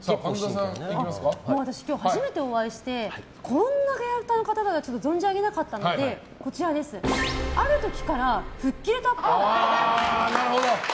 私、今日初めてお会いしてこんなキャラクターの方だと存じ上げなかったのである時から吹っ切れたっぽい。